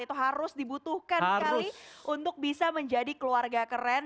itu harus dibutuhkan sekali untuk bisa menjadi keluarga keren